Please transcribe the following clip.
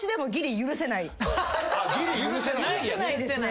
許せないですね。